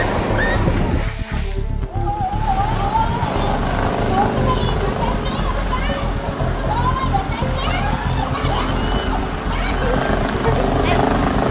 สวัสดีครับทุกคน